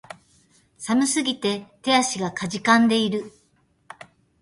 寒すぎて手足が悴んでいる